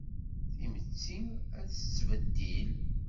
Timetti a tettbeddil